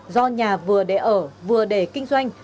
do nhà vừa để ở vừa để kinh doanh